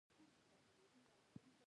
ځکه چې د ګران صاحب غزل